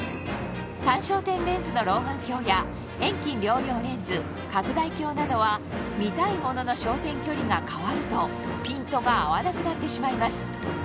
単焦点レンズの老眼鏡や遠近両用レンズ拡大鏡などは見たいものの焦点距離が変わるとピントが合わなくなってしまいます